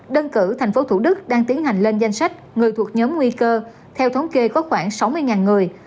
đơn cử tp thủ đức đang tiến hành lên danh sách người thuộc nhóm nguy cơ theo thống kê có khoảng sáu mươi người